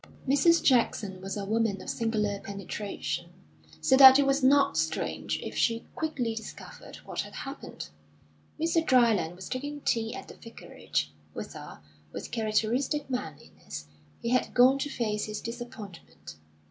Mrs. Jackson was a woman of singular penetration, so that it was not strange if she quickly discovered what had happened. Mr. Dryland was taking tea at the Vicarage, whither, with characteristic manliness, he had gone to face his disappointment.